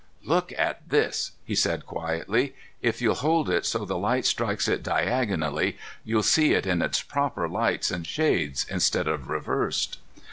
"Look at this," he said quietly. "If you'll hold it so the light strikes it diagonally, you'll see it in its proper lights and shades, instead of reversed."